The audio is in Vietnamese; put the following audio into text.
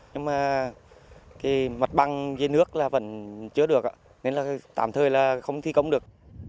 nhưng mà mặt bằng dưới nước vẫn chưa được nên tạm thời là không thi công được